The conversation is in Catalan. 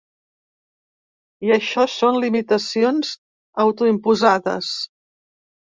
I això són limitacions autoimposades.